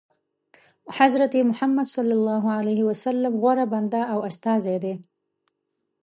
حضرت محمد صلی الله علیه وسلم غوره بنده او استازی دی.